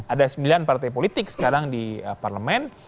ada sembilan partai politik sekarang di parlemen